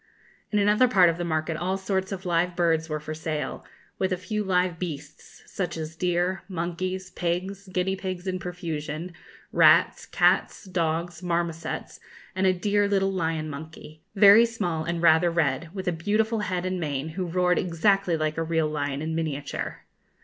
In another part of the market all sorts of live birds were for sale, with a few live beasts, such as deer, monkeys, pigs, guinea pigs in profusion, rats, cats, dogs, marmosets, and a dear little lion monkey, very small and rather red, with a beautiful head and mane, who roared exactly like a real lion in miniature.